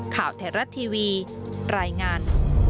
ข่าวไทยรัฐทีวีรายงาน